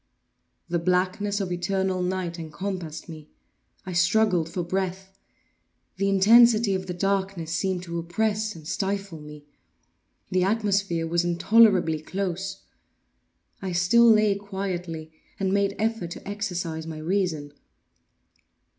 The blackness of eternal night encompassed me. I struggled for breath. The intensity of the darkness seemed to oppress and stifle me. The atmosphere was intolerably close. I still lay quietly, and made effort to exercise my reason.